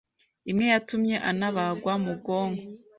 imwe yatumye anabagwa mu bwonko